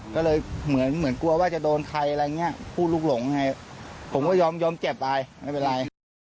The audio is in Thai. ก็เลยเหมือนกลัวว่าจะโดนใครอะไรอย่างนี้พูดลูกหลงไงผมก็ยอมยอมเจ็บไปไม่เป็นไร